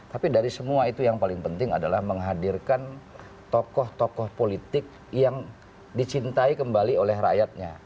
tapi dari semua itu yang paling penting adalah menghadirkan tokoh tokoh politik yang dicintai kembali oleh rakyatnya